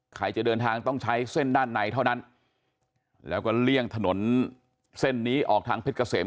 ใครจะเดินทางต้องใช้เส้นด้านในเท่านั้นแล้วก็เลี่ยงถนนเส้นนี้ออกทางเพชรเกษม